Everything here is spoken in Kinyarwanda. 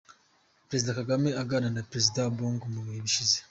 Perezida Kagame aganira na Perezida Bongo mu bihe bishize